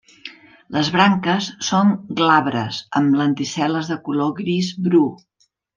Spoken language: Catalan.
Les branques són glabres, amb lenticel·les de color gris bru.